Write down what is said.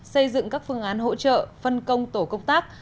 xây dựng các phương án hỗ trợ phân công tổ công tác